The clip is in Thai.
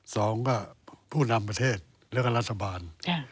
สองก็ผู้นำประเทศแล้วก็รัฐบาล